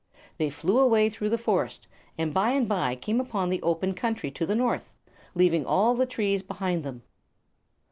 They flew away through the forest, and by and by came upon the open country to the north, leaving all the trees behind them.